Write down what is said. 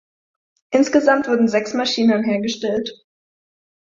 Insgesamt wurden sechs Maschinen hergestellt.